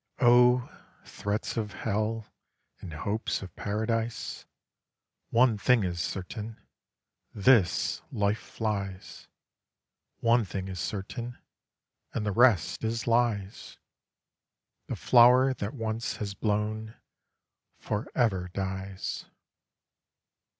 "Oh, Threats of Hell and Hopes of Paradise! One thing is certain This Life flies; One thing is certain, and the rest is Lies; The Flower that once has blown for ever dies."